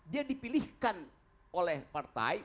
dia dipilihkan oleh partai